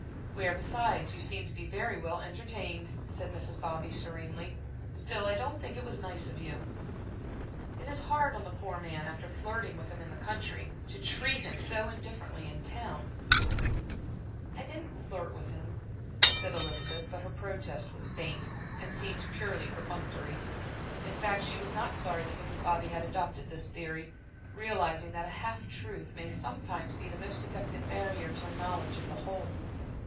"Where, besides, you seemed to be very well entertained," said Mrs. Bobby, serenely. "Still, I don't think it was nice of you. It is hard on the poor man, after flirting with him in the country, to treat him so indifferently in town." "I didn't flirt with him," said Elizabeth, but her protest was faint, and seemed purely perfunctory. In fact, she was not sorry that Mrs. Bobby had adopted this theory, realizing that a half truth may sometimes be the most effective barrier to a knowledge of the whole.